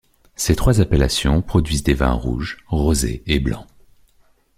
Ces trois appellations produisent des vins rouges, rosés et blancs.